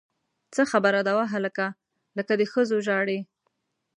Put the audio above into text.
څه خبره ده وهلکه! لکه د ښځو ژاړې!